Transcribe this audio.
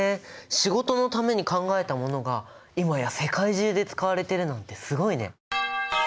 仕事のために考えたものが今や世界中で使われてるなんてすごいね！